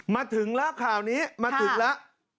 มาถึงแล้วข่าวนี้มาถึงแล้ว